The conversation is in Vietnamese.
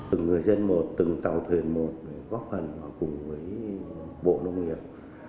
từng người dân một từng tàu thuyền một góp hành cùng với bộ nông nghiệp